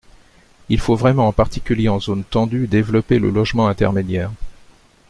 Il faut vraiment, en particulier en zone tendue, développer le logement intermédiaire.